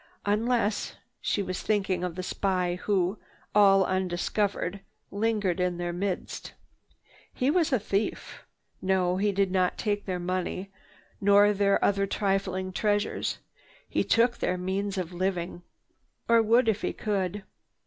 Unless—" she was thinking of the spy who, all undiscovered, lingered in their midst. He was a thief. No, he did not take their money, nor their other trifling treasures. He took their means of living—or would if he could.